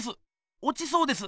おちそうです。